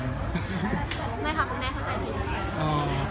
ไม่ค่ะคุณแม่เข้าใจผิดขนาดนั้น